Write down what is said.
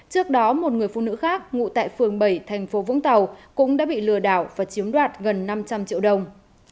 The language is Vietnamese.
trước đó một người phụ nữ khác ngụ tại phường bảy thành phố vũng tàu cũng đã bị lừa đảo và chiếm đoạt gần năm trăm linh triệu đồng